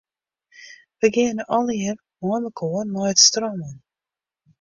Wy geane allegear meimekoar nei it strân.